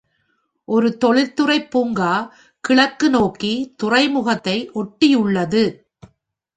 ஒரு தொழில்துறை பூங்கா கிழக்கு நோக்கி துறைமுகத்தை ஒட்டியுள்ளது.